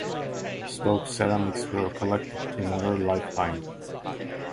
Stokes ceramics were collected in her lifetime.